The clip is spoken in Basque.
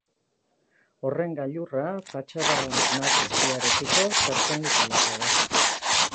Horren gailurra fatxada nagusiarekiko perpendikularra da.